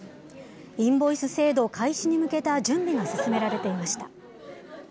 インボイス制度開始に向けた準備が進められていました。